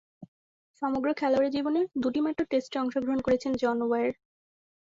সমগ্র খেলোয়াড়ী জীবনে দুইটিমাত্র টেস্টে অংশগ্রহণ করেছেন জন ওয়ার।